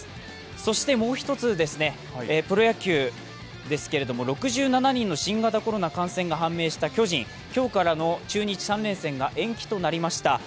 そしてもう一つ、プロ野球ですけれども、６７人の新型コロナ感染が判明した巨人、今日からの中日３連戦が延期となりました。